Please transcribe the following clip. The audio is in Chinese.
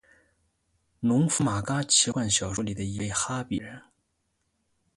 农夫马嘎奇幻小说里的一位哈比人。